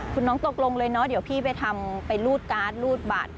คุณน้องตกลงเลยเนาะเดี๋ยวพี่ไปทำไปรูดการ์ดรูดบัตร